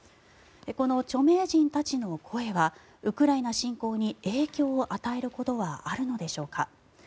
この著名人たちの声はウクライナ侵攻に影響を与えることはあるのでしょうか。